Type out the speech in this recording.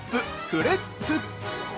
「フレッツ」！